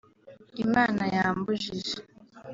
” Imana yambujije”